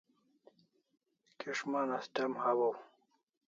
Kis'man as tem hawaw